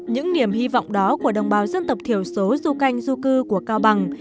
những niềm hy vọng đó của đồng bào dân tộc thiểu số du canh du cư của cao bằng